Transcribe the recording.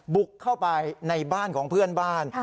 บุกเข้าไปในบ้านของเพื่อนบ้าน